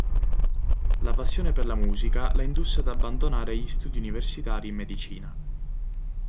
La passione per la musica la indusse ad abbandona gli studi universitari in Medicina.